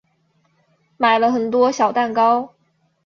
买了很多小蛋糕